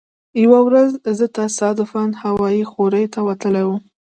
یوه ورځ زه تصادفا هوا خورۍ ته وتلی وم.